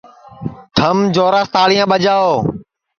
تھم جوراس تاݪیاں ٻاجاو